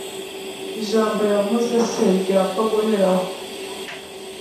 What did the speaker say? ijambo yavuze se ryapfa guhera aho?